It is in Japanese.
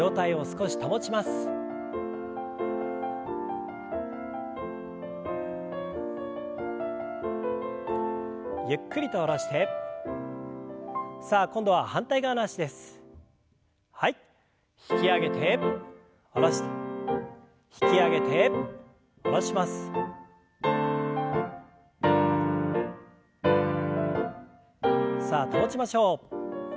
さあ保ちましょう。